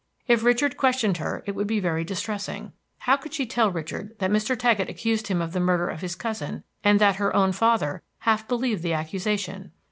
If Richard questioned her it would be very distressing. How could she tell Richard that Mr. Taggett accused him of the murder of his cousin, and that her own father half believed the accusation?